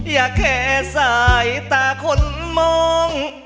อย่าแค่สายตาคนมอง